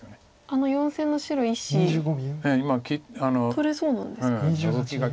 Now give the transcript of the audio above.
あの４線の白１子取れそうなんですか？